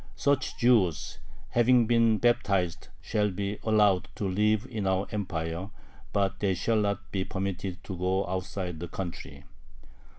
Such [Jews], having been baptized, shall be allowed to live in our Empire, but they shall not be permitted to go outside the country.